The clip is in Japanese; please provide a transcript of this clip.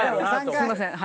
すいませんはい。